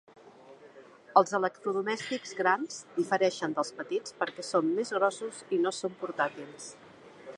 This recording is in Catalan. El electrodomèstics grans difereixen dels petits perquè són més grossos i no són portàtils.